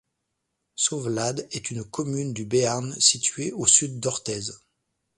Sauvelade est une commune du Béarn, située au sud d'Orthez.